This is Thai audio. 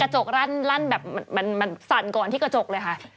จกลั่นแบบมันสั่นก่อนที่กระจกเลยค่ะ